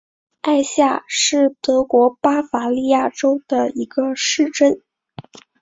艾夏是德国巴伐利亚州的一个市镇。